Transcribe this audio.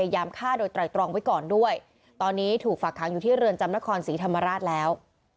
ยามฆ่าโดยไตรตรองไว้ก่อนด้วยตอนนี้ถูกฝากค้างอยู่ที่เรือนจำนครศรีธรรมราชแล้ว